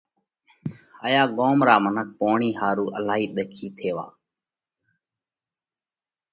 ھايا ڳوم را منک پوڻِي ۿارُو الھائي ۮکي ٿيوا